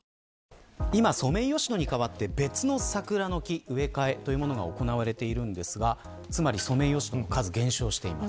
今、ソメイヨシノに代わって別の桜の木植え替えが行われているんですがつまりソメイヨシノの数減少しています。